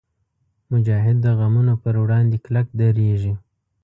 مجاهد د غمونو پر وړاندې کلک درېږي.